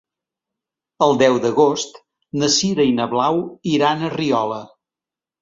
El deu d'agost na Sira i na Blau iran a Riola.